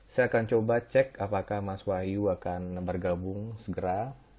saya akan coba cek apakah mas wahyu akan bergabung segera